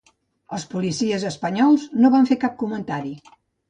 Els policies espanyols no van fer cap comentari.